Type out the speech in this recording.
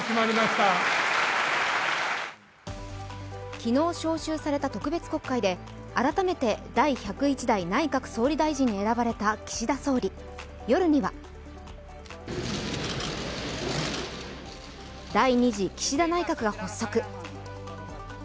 昨日召集された特別国会で改めて第１０１代内閣総理大臣に選ばれた岸田総理、夜には第２次岸田内閣が発足。